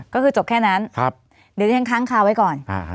ก็คือจบแค่นั้นเดี๋ยวที่ฉันค้างคาไว้ก่อน